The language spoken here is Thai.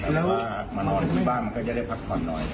แต่ว่ามานอนที่บ้านก็จะได้พักผ่อนหน่อย